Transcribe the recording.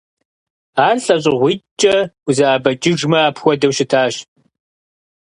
Ар лӀэщӀыгъуитӀкӀэ узэӀэбэкӀыжмэ апхуэдэу щытащ.